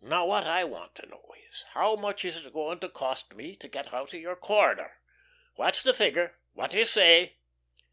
Now what I want to know is, how much is it going to cost me to get out of your corner? What's the figure? What do you say?"